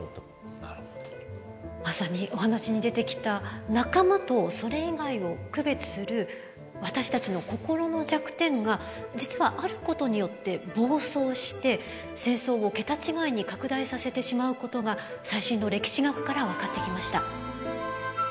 まさにお話に出てきた仲間とそれ以外を区別する私たちの心の弱点が実はあることによって暴走して戦争を桁違いに拡大させてしまうことが最新の歴史学から分かってきました。